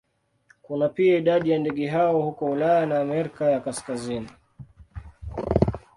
Kuna pia idadi ya ndege hao huko Ulaya na Amerika ya Kaskazini.